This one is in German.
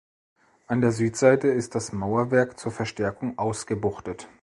An der Südseite ist das Mauerwerk zur Verstärkung ausgebuchtet.